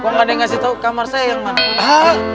gue gak ada yang ngasih tau kamar saya yang mana